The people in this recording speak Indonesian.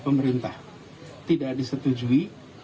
pemerintah tidak disetujui